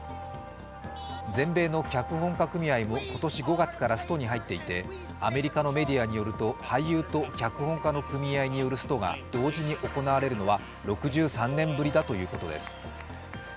全米の脚本家組合も今年５月からストに入っていてアメリカのメディアによると俳優と脚本家の組合によるストが同時に行われるのは６３年ぶりだということです。